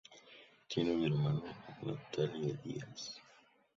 Tiene una hermana, Natalie Diaz.